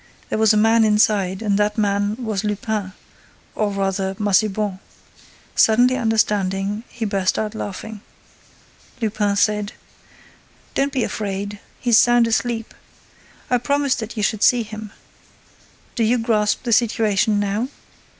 There was a man inside and that man was Lupin, or rather Massiban. Suddenly understanding, he burst out laughing. Lupin said: "Don't be afraid, he's sound asleep. I promised that you should see him. Do you grasp the situation now?